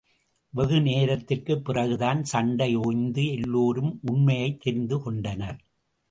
வெகு நேரத்திற்குப் பிறகுதான், சண்டை ஓய்ந்து எல்லோரும் உண்மையைத் தெரிந்துகொண்டனர்.